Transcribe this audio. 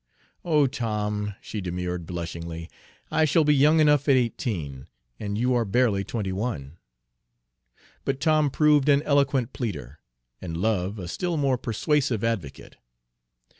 "Oh, Tom," she demurred blushingly, "I shall be young enough at eighteen; and you are barely twenty one." But Tom proved an eloquent pleader, and love a still more persuasive advocate.